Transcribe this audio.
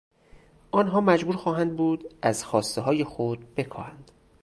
آنها مجبور خواهند بود از خواستههای خود بکاهند.